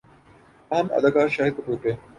تاہم اداکار شاہد کپور کے